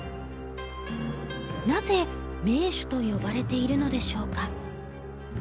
なぜ名手と呼ばれているのでしょうか？